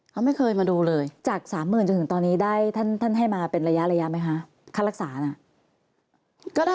ก็ได้แค่ถามหมื่นนั่นแหละค่ะ